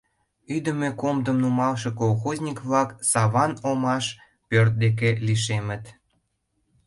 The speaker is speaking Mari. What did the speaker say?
Ӱдымӧ комдым нумалше колхозник-влак Саван омаш пӧрт деке лишемыт.